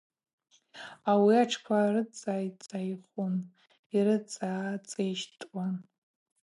Ауи атшква рыццӏайхӏвун, йрыцацӏищтуан.